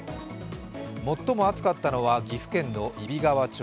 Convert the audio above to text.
最も暑かったのは、岐阜県の揖斐川町。